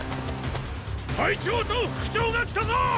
隊長と副長が来たぞ！